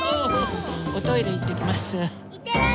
おトイレいってきます。